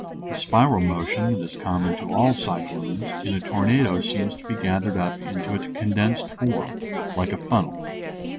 The spiral motion that is common to all cyclones, in a tornado seems to be gathered up into a condensed form, like a funnel.